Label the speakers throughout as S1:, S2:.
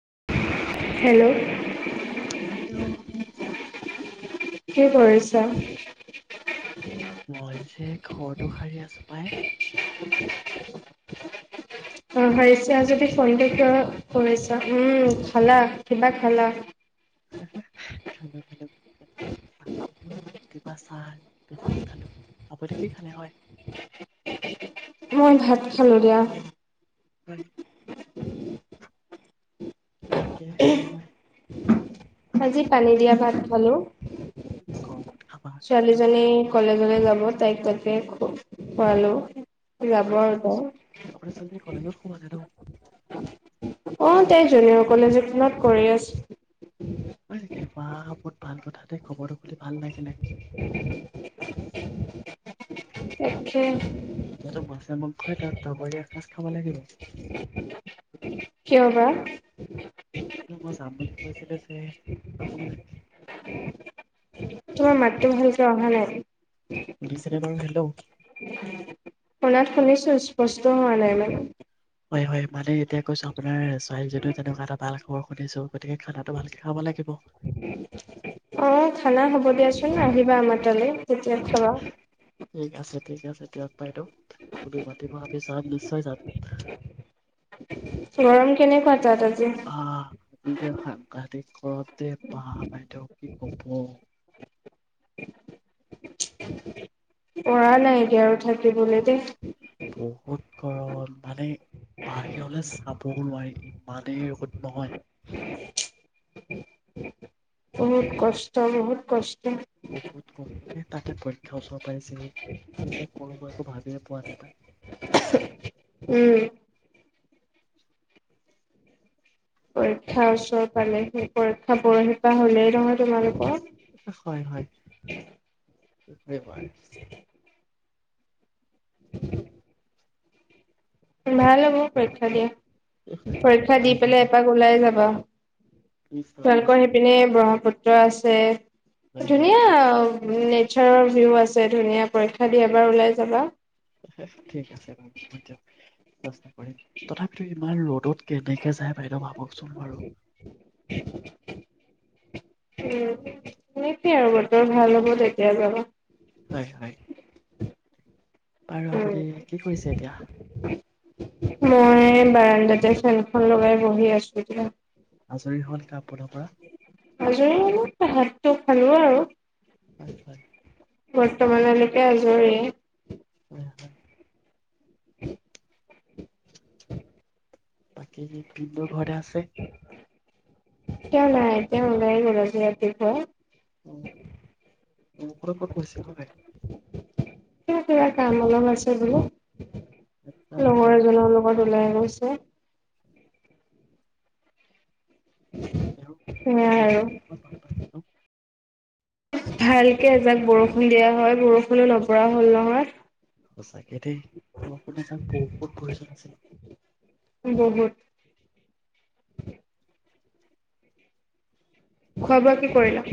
S1: [unintelligible]
S2: Hello
S1: hello
S2: কি কৰিছা
S1: মই যে ঘৰটো সাৰি আছো, তই
S2: ঘৰ সাৰিছা যদি ফোনটো কিয় কৰিছা। উম খালা কিবা খালা
S1: খালো খালো ৰাতিপুৱা চাহ বিস্কুট খালো, আপুনি কি খালে হয়
S2: মই ভাত খালো দিয়া
S1: হয়, ভাত কিহে খালে হয়
S2: আজি পানী দিয়া ভাত খালো,
S1: গৰমত খাবা তো যে।
S2: ছোৱালীজনী কলেজলৈ যাব তাইক তাকে খোৱালো যাব
S1: আচ্ছা,
S2: আৰু
S1: আপোনাৰ
S2: তাই,
S1: আপোনাৰ ছোৱালীজনী কলেজত সোমালে ন
S2: অ। জুনিয়ৰ কলেজখনত কৰি আছো।
S1: হয় নেকি, বা প ভাল কথাতে খবৰটো পালে ভাল লাগে নে। এতিয়াতো মাছে
S2: [unintelligible]
S1: তাত দগৰি এসাঁজ খাব লাগিব।
S2: কিয় বা?
S1: কি মই যাম বুলি কৈছিলো যে আপোনাক।
S2: তোমাৰ মাতটো ভালকে অহা নাই।
S1: শুনিছে নে বাৰু, হেল্ল?
S2: শুনাত শুনিছো স্পষ্ট হোৱা নাই মানে।
S1: হয় হয় মানে এতিয়া কৈছো আপোনাৰ ছোৱালীজনীও তেনেকুৱা এটা ভাল খবৰ শুনিছো। গতিকে খানাটো ভালকে খাব লাগিব।
S2: অ', খানা হব দিয়া কিনো আহিবা আমাৰ তালে।
S1: ঠিক আছে,
S2: [unintelligible]
S1: ঠিক আছে দিয়ক। বাইদেউ আপুনি মাতিব আমি যাম নিশ্চয় যাম।
S2: গৰম কেনেকুৱা তাত আজি?
S1: আহ, আজি যে সাংঘাতিক গৰম দে বাইদেউ কি কব।
S2: পৰা নাই এতিয়া আৰু থাকিবলে দেই
S1: বহুত গৰম মানে বাহিৰলে চাবও নোৱাৰি ইমানেই ৰ'দ নহয়
S2: বহুত কষ্ট বহুত কষ্ট
S1: বহুত ককে তাতে পৰীক্ষা ওচৰৰত পাৰিছেহি কি যে কৰোঁ মই একো ভাবিয়ে পোৱা নাই তাই
S2: উম। পৰীক্ষাৰ ওচৰ পালেহি পৰীক্ষা পৰশিপা হলেই নহয় তোমালোকৰ
S1: হয় হয়বাৰ [inaudible]
S2: [inaudible] ভাল হ বহ পৰীক্ষা দিয়া পৰীক্ষা দি পেলাই
S1: ধন্যবাদ
S2: এপাক ওলাই যাবা
S1: নিশ্চয়,
S2: তেওঁলোকৰ
S1: নিশ্চয়,
S2: সেইপিনে ব্ৰহ্মপুত্ৰ ্ৰ আছে
S1: হয়, হয়,
S2: ধুনীয়া উ নেচাৰৰ ভিউ আছে ধুনীয়া পৰীক্ষা দি এবাৰ ওলাই যাবা
S1: ঠিক আছে ব ব য আ তথাপিতো ইমান ৰ'দত কেনেকে যায় বাইদেউ ভাবকচোন বাৰু
S2: উম অনেক আৰু বতৰ ভাল হ'ব তেতিয় বাৰ
S1: হয় হয় বাৰু আপতি কি কৰিছে এতিয়া
S2: মই বাৰাণ্ডাতে ফেনখন লগাই বহি আছোো
S1: আচৰিত হ [unintelligible] আপোনৰ পৰা
S2: আজৰি মানে [unintelligible] আৰু
S1: হয় হয়
S2: বৰ্তমানলৈকে আজৰি
S1: হয় হয়
S2: [inaudible]
S1: বাকী কি [unintelligible] ঘৰতে আছে
S2: তেওঁ নাই তেওঁ ওলাই গ'ল আজি ৰাতিপুৱা
S1: ক'ত ক'ত গৈছে হয়
S2: [unintelligible] কিবা কাম অলপ আছে বোলে
S1: আচ্ছা আচ্ছা
S2: লগৰ এজনৰ লগত ওলাই গৈছে
S1: তেওঁ
S2: সেয়াই
S1: তেওঁ
S2: আৰু
S1: ক'ৰবাত বান পাইছে ন?
S2: ভালকে এজাক বৰষুণ দিয়া হয় বৰষুণো নপৰা হ'ল নহয়।
S1: সঁচাকে দেই বৰষুণ এজাক বহুত প্ৰয়োজন আছে।
S2: বহুত খোৱা-বোৱা কি কৰিলা?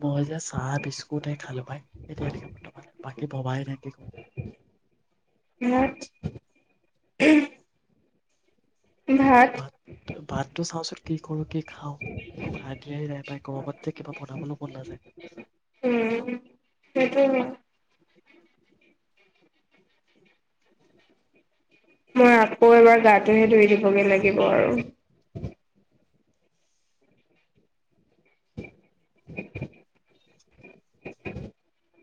S1: মই যে চাহ বিস্কুট খালো পাই এতিয়ালৈকে বৰ্তমান বাকী ভবাই নাই কি কৰো।
S2: উম।
S1: ভাত ভাতটো চাওঁচোন কি কৰো কি খাওঁ একো আইদিয়াই নাই পাই গৰমত যে কিবা বনাবলৈ মন নাযায়।
S2: উম সেইটোৱে। মই আকৌ এবাৰ গাটোহে ধুই দিবগে লাগিব আৰু। [inaudible]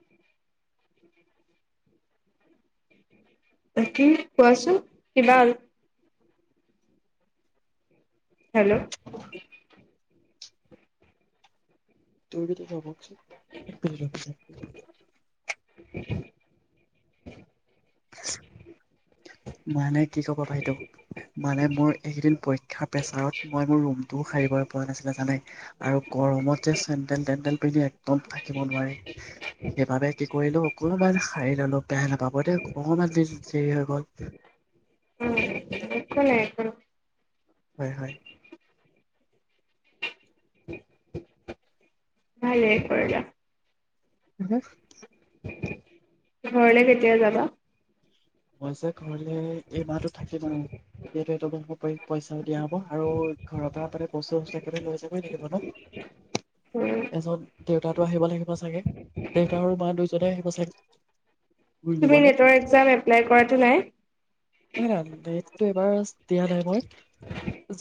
S2: কি কোৱাচোন কিবা অ হেল্ল'
S1: তুৰ পিনে হ'ব। এক মিনিট [unintelligible]
S2: [inaudible]
S1: [inaudible] মানে কি ক'ব বাইদউ মানে মোৰ এইকেইদিন পৰীক্ষাৰ পেছাৰত মই মোৰ ৰুমটোও সাৰিব পৰা নাছিলে জানে আৰু গৰমত যে চেণ্ডেল-তেণ্ডেল পিন্ধি [unintelligible] একদম থাকিব নোৱাৰি সেইবাবে কি কৰিলো অকণমান সাৰি ল'লো বেয়া নাপাব দেই অকণমান দেৰি দেৰি হৈ গ'ল
S2: উম একো নাই একো নাই
S1: হয় হয়।
S2: ভালেই কৰিলা
S1: [unintelligible]
S2: ঘৰলে কেতিয়া যাবা?
S1: মই যে ঘ ঘৰিলে এই মাহটো থাকিম আৰু [unintelligible] পইচাও দিয়া হ'ব আৰু ঘৰৰ পৰা মানে বস্তু-চস্তু একেবাৰে লৈ যাবই লাগিব
S2: উম
S1: ন' এজন দেউতাটো আহিব লাগিব চাগে দেউতা আৰু মা দুইজনে আহিব চাগে ঘূৰি
S2: তুমি
S1: নিবলে
S2: নেটৰ এক্সাম এপ্লাই কৰা টো নাই।
S1: [unintelligible] টো এইবাৰ চ্‌ দিয়া নাই মই।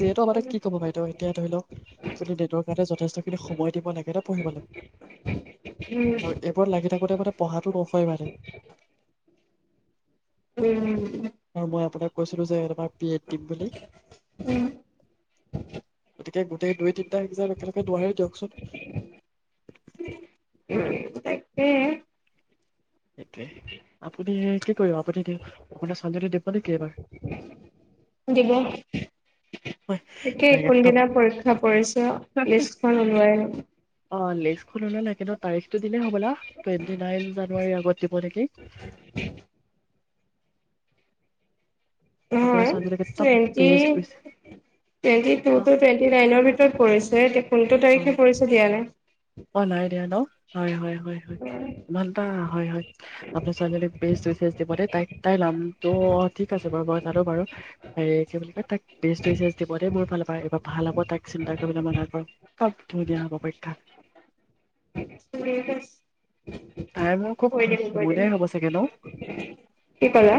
S1: যিহেতু আমাৰ তাক কি কব বাইদেউ, এতিয়া ধৰি লওক আপুনি নেটৰ কাৰণে যথেষ্ট খিনি সময় দিব লাগে ন পঢ়িবলে,
S2: উম
S1: আৰু এইবোৰত লাগি থাকোতে থাকোতে মানে পঢ়াটো নহয় মানে।
S2: উম্।
S1: আৰু মই আপোনাক কৈছিলো যে [unintelligible] বি এড দিম বুলি,
S2: উম
S1: গতিকে গোটেই দুই তিন্‌টা এক্সাম একেলগে নোৱাৰি দিয়কচোন।
S2: উম, তাকে।
S1: একে, আপুনি হে একে তো আপুনি দি, আপোনাৰ ছোৱালজনী দিব নেকি এইবাৰ?
S2: দিব
S1: [unintelligible]
S2: তাকে কোনদিনা পৰীক্ষা পৰিছে লিষ্টখন ওলোৱাই নাই
S1: অ' লিষ্টখন ওলালে কিন্তূ তাৰিখটো দিলে হ'বলা, টুৱেণ্টি নাইন জানুৱাৰীৰ আগত দিব নেকি! আপোনাৰ
S2: অ',
S1: ছোৱালীজনীক একদম
S2: twenty,
S1: best wish
S2: twenty two two
S1: অ
S2: টুৱেণ্টি নাইনৰ ভিতৰত পৰিছে। ধেই তে কোনটো
S1: অ
S2: তাৰিখে পৰিছে দিয়া নাই।
S1: অ নাই দিয়া ন? হয়, হয়, হয়, হয়। ইমানটা হয়, হয়, আপনাৰ ছোৱালজনীক বেষ্ট উইচেছ দিব দেই তাইক - তাইৰ লাম টো অ ঠিক আছে বাৰু মই জানো বাৰু, হেৰি কি বুলি এ তাইক বেষ্ট উইচেছ দিব দেই মোৰ ফালৰ পৰা, এইবাৰ ভাল হ'ব তাইক চিন্তা কৰিবলৈ মানা কৰক। ক'ত থ দিয়া হ'ব পৰীক্ষা?
S2: [unintelligible]
S1: তাই মোৰ খুব
S2: কৈ
S1: খ -
S2: দিম কৈ দিম
S1: সমনীয়ায়ে হ'ব চাগে ন?
S2: কি ক'লা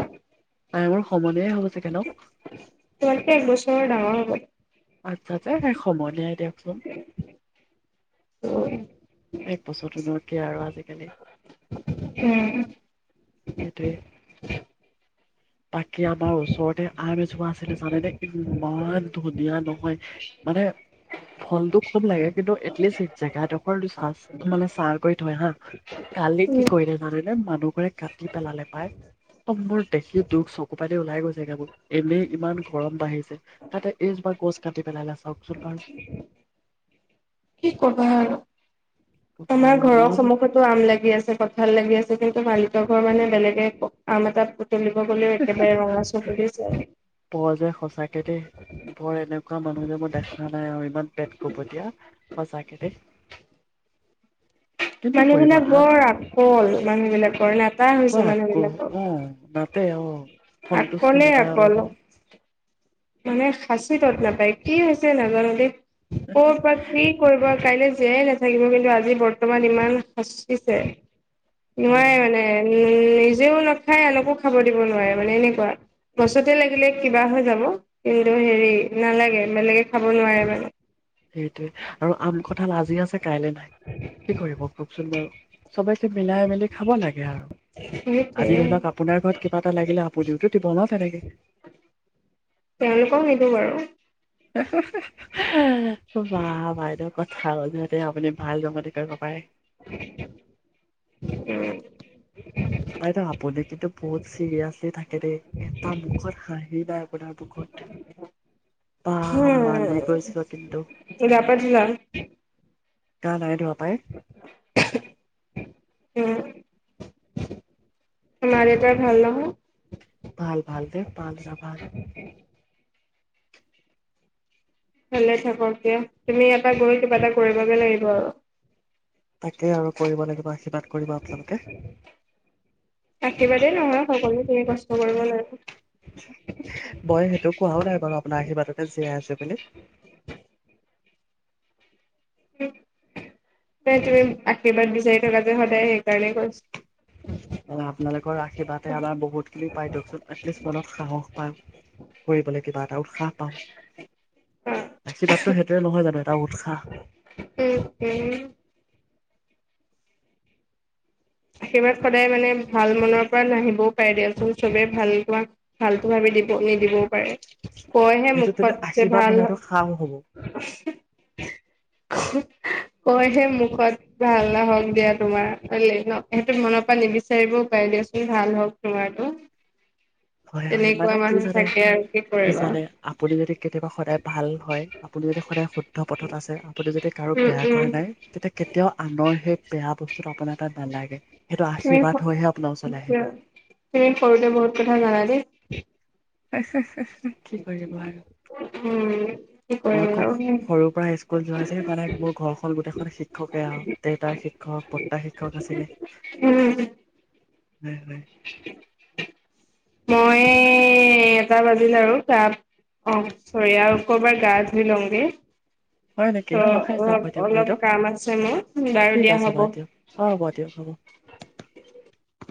S1: তাই মোৰ সমনীয়ায়ে হ'ব চাগে ন?
S2: হয়।
S1: আচ্ছা আচ্ছা, এ সে সমনীয়াই দিয়ক। [unintelligible] এক বছৰটো নো কি আৰু আজিকালি! সেইটোৱে
S2: উম
S1: বাকী আমাৰ ওচৰতে আন এজ ছোৱা আছিলে জানেনে ইম্মান, [unintelligible] ইয়াৰ নহয়, মানে ফলটো খুব লাগে কিন্তু এটলিষ্ট জেগাডোখৰটো চাচ তোমালে ছাৰ্ভ কৰি থয় হা। কালি কি
S2: উম
S1: কৰিলে জানে নে, মানুহ পুৰাই কাটি পেলালে পায় অ ', মোৰ দেখি দুখ চকু পানী ওলাই গৈছে গে মোৰ এনেই ইমান গৰম বাঢ়িছে তাতে এইজোপা গছ কাটি পেলালে চাওক। চুল্তান
S2: কি কবা আৰু। তোমাৰ
S1: বাৰু
S2: ঘৰৰ
S1: মানুহ
S2: সন্মুখতো আম লাগি আছে কঁঠাল লাগি আছে কিন্তু ভাল তঘৰ মানে বেলেগে আম এটাত তুলিব গলেও একেবাৰে ৰঙা চকুলে চা
S1: মই যে সঁচাকেদেই বৰ এনেকুৱা মানুহ যে মই দেখা নাই আৰু ইমান পেট কোপতিয়া সঁচাকেদেই।
S2: মানুহ বিলাক
S1: আন
S2: বৰ আকল। মানুহ বিলাকৰ। নাটা হৈছে মানুহ
S1: আকৌ অ
S2: বিলাকৰ।
S1: নাতে অ সন্তুষ্টি
S2: আকলে
S1: নাপায়
S2: আকল। ত
S1: অলপতে
S2: [unintelligible] মানে সাচি তট নাপায় কি হৈছে নাজানো দেই। ক'ৰ পৰা কি কৰিব কাইলৈ জীয়াই নাথাকিব কিন্তু আজি বৰ্তমান ইমান সাচিচে।
S1: হয়
S2: নোৱাৰে
S1: হয়
S2: মানে উ', উম 'নিজেও নাখাই আনকো খাব দিব নোৱাৰে মানে এনেকোৱা। গছতে লাগিলে কিবা হৈ যাব কিন্তু হেৰি নালাগে বেলেগে খাব নোৱাৰে মানে।
S1: সেইটোৱে আৰু আম, কঠাল আজি আছে কাইলৈ নাই। কি কৰিব কওকচোন বাৰু চবে মিলাই মেলি খাব লাগে আৰু।
S2: সেইটোৱে
S1: আজি ধৰি লওক আপোনাৰ ঘৰত কিবা এটা লাগিলে আপুনিওতো দিব ন তেনেকে।
S2: তেওঁলোকক নিদিওঁ বাৰু।
S1: উ [unintelligible] বাঃ বাইদেউ কথাও যেন আও। আপুনি ভাল জমনি কৰিব পাৰে।
S2: [unintelligible] উম',
S1: বাইদেউ আপুনি কিন্তু বহুত চিৰিয়াচলি থাকে দেই। এটা মুখত হাঁহি নাই। আপোনাৰ মুখত। বা মালি
S2: উম',
S1: গৈছিলো কিন্তু
S2: গা-পা ধোলা।
S1: গা নাই ধোৱা পাই
S2: উম। তোমাৰ দেউতাৰ ভাল নহয়।
S1: ভাল ভাল দে ভাল ভাল
S2: ভালে থাকক দিয়া তুমি ইয়াৰ পৰা গৈ কিবা এটা কৰিবগৈ লাগিব।
S1: তাকে আৰু কৰিব লাগিব আশীৰ্বাদ কৰিব আপোনালোকে।
S2: আশীৰ্বাদেই নহয় সকলো তুমি কষ্ট কৰিব লাগিব।
S1: মই সেইটো কোৱাও নাই বাৰু আপোনাৰ আশীৰ্বাদতে জীয়াই আছো বুলি
S2: নাই তুমি আশীৰ্বাদ বিচাৰি থকা যে সদায় সেইকাৰণেই কৈছো
S1: আপোনাৰ আশীৰ্বাদে আমাৰ বহুতসিনি পায় দিয়কচোন এটলিষ্ট মনত সাহস পায় কৰিবলৈ কিবা এটা উৎসাহ পাওঁ আশীৰ্বাদটো সেইটোোৱে নহয় জানো এটা উৎসাহ
S2: উম উম আশীৰ্বাদ সদায় মানে ভাল মনৰ পৰা নাহিবও পাৰে দিয়চোন চবে ভাল পোৱা ভাল পোৱা দিব নিদিবও পাৰে কয়হে
S1: সেইটো কিন্তু
S2: মুখত যে
S1: আশীৰ্বাদ
S2: ভাল
S1: নহয় এইটো সাও হ'ব
S2: কয়হে মুখত ভাল নহক দিয়া তোমাৰ হয় ন। সেইটো মনৰ পৰা নিবিচাৰিব পয় দিয়চোন ভাল হওক তোমাৰটো
S1: হয় হয় মানে কি জানে
S2: আৰু
S1: কি
S2: কৰিবা
S1: জানে আপুনি যদি কেতিয়াবা সদায় ভাল হয় আপুনি যদি সদায় শুদ্ধ পথত আছে আপুনি যদি কাৰো
S2: উম
S1: বেয়া কৰা
S2: উম
S1: নাই তেতিয়া কেতিয়াও আনৰ সেই বেয়া বস্তুটো আপোনাৰ তাত নালাগে সেইটো
S2: তুমি
S1: আশীৰ্বাদ হৈহে আপোনাৰ ওচৰলৈ আহিব
S2: মোকছা তুমি ক দে বহুত ক বৰ জানা দেই
S1: আঃ হাঁ হাঁ কি কৰিব আৰু
S2: উম কি
S1: মই
S2: কৰিম আৰু
S1: খুব সৰুৰ পৰা স্কুল যোৱা যে মানে মোৰ ঘৰখন গোটেইখন শিক্ষকে আৰু দেউতা শিক্ষক পদ
S2: উম
S1: হয় হয়
S2: মই এটা বাজিল আৰু গাত অ চৰি আৰু কৰবাত গা ধুই লওঁগে
S1: হয় নেকি
S2: ত
S1: হয় হয় যাব
S2: অলপ
S1: দিয়ক
S2: অলপ
S1: বাইদেউ
S2: কাম আছে মোৰ বাৰু
S1: ঠিক
S2: দিয়া
S1: আছে
S2: হ'ব
S1: বাইদেউ অ' হ'ব দিয়ক হ'ব